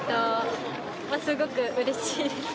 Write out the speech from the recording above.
すごくうれしいです